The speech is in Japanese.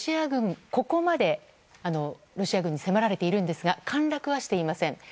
ここまでロシア軍に迫られているんですが陥落はしていません。